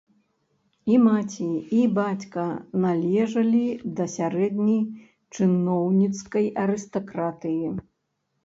І маці, і бацька належалі да сярэдняй чыноўніцкай арыстакратыі.